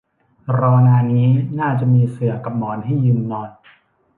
รอนานงี้น่าจะมีเสื่อกับหมอนให้ยืมนอน